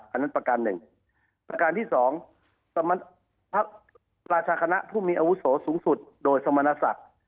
อันนั้นประการหนึ่งประการที่สองพระราชาคณะผู้มีอาวุโสสูงสุดโดยสมณศักดิ์